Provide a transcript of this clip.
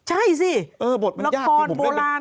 ใช่สิละครโบราณ